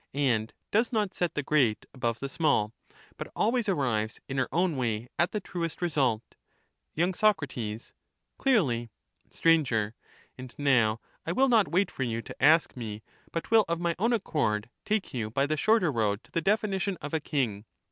and does not set the great above the small, but always arrives in her own way at the truest result. Y. Soc. Clearly. Str. And now, I will not wait for you to ask me, but will of my own accord take you by the shorter road to the definition of a king.